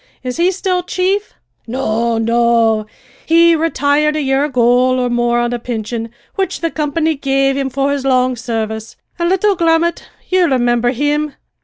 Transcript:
"Is he still chief?" "No, no; he retired a year ago or more on a pinsion which the company gave him for his long service; an' little Grummet ye rimimber him?